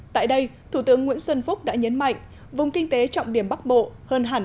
tại đây thủ tướng nguyễn xuân phúc đã nhấn mạnh vùng kinh tế trọng điểm bắc bộ hơn hẳn